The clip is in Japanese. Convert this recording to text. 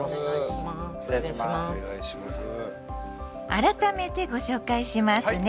改めてご紹介しますね。